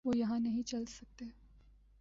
وہ یہاں نہیں چل سکتے۔